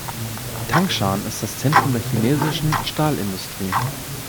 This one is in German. Tangshan ist das Zentrum der chinesischen Stahlindustrie.